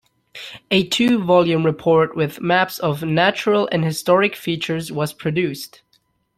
A two-volume report with maps of natural and historic features was produced.